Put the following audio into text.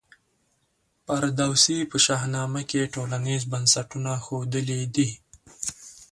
فردوسي په شاهنامه کي ټولنیز بنسټونه ښودلي دي.